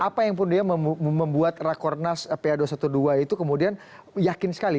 apa yang pun dia membuat rakornas pa dua ratus dua belas itu kemudian yakin sekali